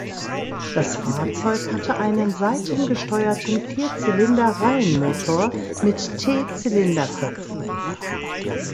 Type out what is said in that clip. Das Fahrzeug hatte einen seitengesteuerten Vierzylinder-Reihenmotor mit T-Zylinderköpfen.